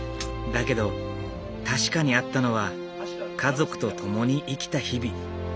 だけど確かにあったのは家族と共に生きた日々。